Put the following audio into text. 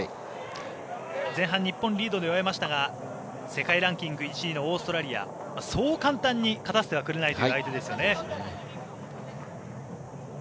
前半日本リードで終えましたが世界ランキング１位のオーストラリアそう簡単に勝たせてはくれないという相手ですよね。